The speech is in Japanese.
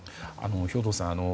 兵頭さん。